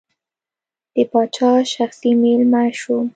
د پاچا شخصي مېلمه شوم.